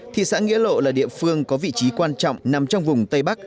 thị xã nghĩa lộ là địa phương có vị trí quan trọng nằm trong vùng tây bắc